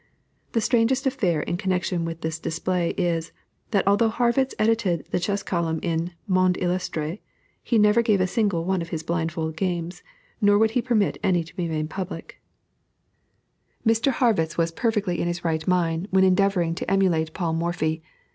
The strangest affair in connection with this display is, that although Harrwitz edited a chess column in the Monde Illustré he never gave a single one of his blindfold games, nor would he permit any to be made public. Mr. Harrwitz was perfectly in his right mind when endeavoring to emulate Paul Morphy.